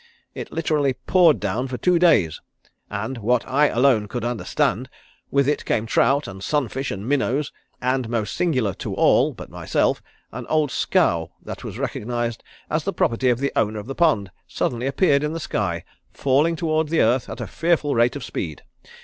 It literally poured down for two days, and, what I alone could understand, with it came trout and sunfish and minnows, and most singular to all but myself an old scow that was recognised as the property of the owner of the pond suddenly appeared in the sky falling toward the earth at a fearful rate of speed.